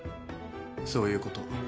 そういうこと。